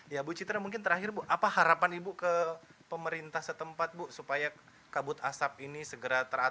ya bu citra mungkin terakhir bu apa harapan ibu ke pemerintah setempat bu supaya kabut asap ini segera teratur